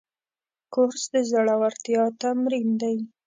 کورس د زړورتیا تمرین دی.